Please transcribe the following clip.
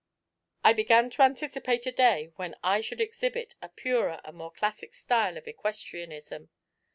I began to anticipate a day when I should exhibit a purer and more classic style of equestrianism.